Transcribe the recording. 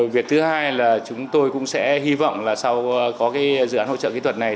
việc thứ hai là chúng tôi cũng sẽ hy vọng là sau có dự án hỗ trợ kỹ thuật này